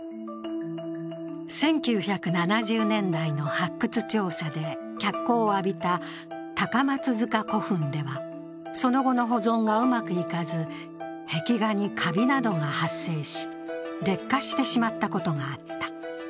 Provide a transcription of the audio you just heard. １９７０年代の発掘調査で脚光を浴びた高松塚古墳ではその後の保存がうまくいかず、壁画にかびなどが発生し、劣化してしまっことがあった。